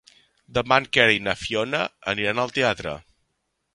Demà en Quer i na Fiona aniran al teatre.